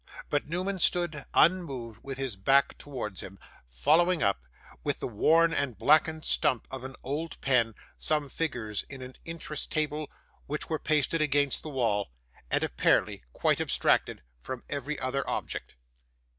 But Newman stood unmoved, with his back towards him, following up, with the worn and blackened stump of an old pen, some figures in an Interest table which was pasted against the wall, and apparently quite abstracted from every other object.